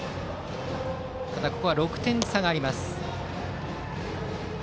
ただ、６点差があります。